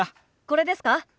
これですか？